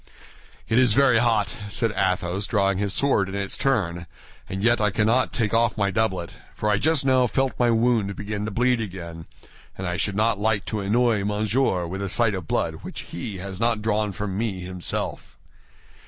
"It is very hot," said Athos, drawing his sword in its turn, "and yet I cannot take off my doublet; for I just now felt my wound begin to bleed again, and I should not like to annoy Monsieur with the sight of blood which he has not drawn from me himself."